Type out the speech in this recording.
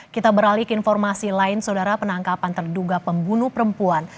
kita beralih ke informasi lain saudara penangkapan terduga pembunuh perempuan